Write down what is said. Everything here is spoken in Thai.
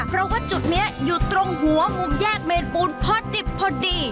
เพราะว่าจุดนี้อยู่ตรงหัวมุมแยกเมนปูนพอดิบพอดี